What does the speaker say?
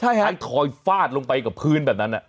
ให้ทอยย์ฟาดลงไปกับพื้นแบบนั้นอ่ะ